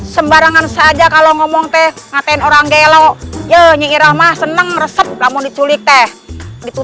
sembarangan saja kalau ngomong teh ngatain orang gelok nyirama seneng resep kamu diculik teh gitu